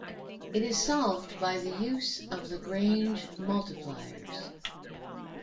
It is solved by the use of Lagrange multipliers.